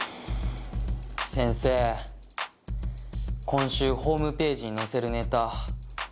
今週ホームページに載せるネタ